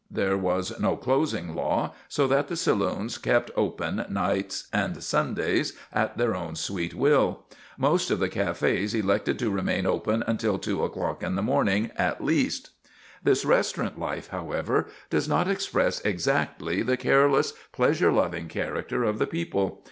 There was no closing law, so that the saloons kept open nights and Sundays at their own sweet will. Most of the cafes elected to remain open until 2 o'clock in the morning at least. This restaurant life, however does not express exactly the careless, pleasure loving character of the people.